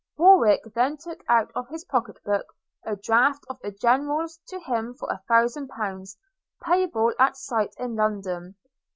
Warwick then took out of his pocketbook a draft of the General's to him for a thousand pounds, payable at sight in London.